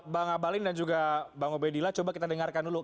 bang abalin dan juga bang obedillah coba kita dengarkan dulu